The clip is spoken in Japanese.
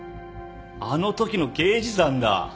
あのときの刑事さんだ。